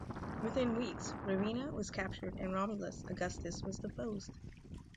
Within weeks, Ravenna was captured and Romulus Augustus was deposed.